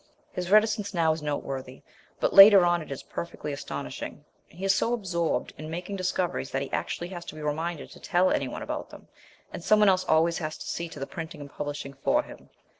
His reticence now is noteworthy, but later on it is perfectly astonishing. He is so absorbed in making discoveries that he actually has to be reminded to tell any one about them, and some one else always has to see to the printing and publishing for him.